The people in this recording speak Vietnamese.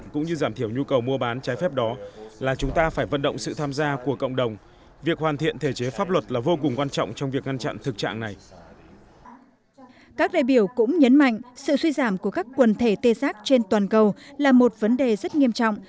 các đại biểu cũng nhấn mạnh sự suy giảm của các quần thể tê giác trên toàn cầu là một vấn đề rất nghiêm trọng